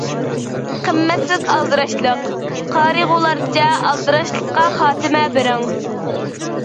قىممەتسىز ئالدىراشلىق، قارىغۇلارچە ئالدىراشلىققا خاتىمە بېرىڭ.